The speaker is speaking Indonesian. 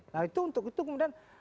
nah itu untuk itu kemudian